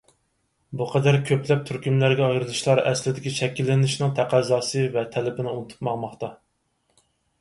بۇ قەدەر كۆپلەپ تۈركۈملەرگە ئايرىلىشلار ئەسلىدىكى شەكىللىنىشىنىڭ تەقەززاسى ۋە تەلىپىنى ئۇنتۇپ ماڭماقتا.